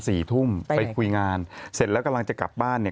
สี่ทุ่มไปคุยงานเสร็จแล้วกำลังจะกลับบ้านเนี่ย